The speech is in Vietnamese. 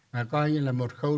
mà coi như là một khâu